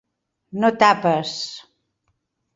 No tapes.